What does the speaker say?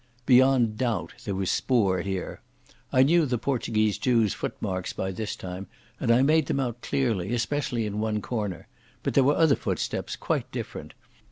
Beyond doubt there was spoor here. I knew the Portuguese Jew's footmarks by this time, and I made them out clearly, especially in one corner. But there were other footsteps, quite different.